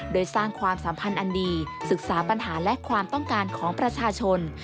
โดยสร้างความสัมพันธ์อันดีศึกษาปัญหาและความต้องการของประชาชน